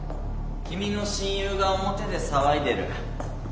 君の親友が表で騒いでる。